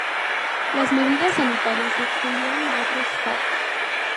Las medidas sanitarias se extendieron a otros estados.